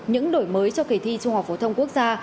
những đổi mới cho kỳ thi trung học phổ thông quốc gia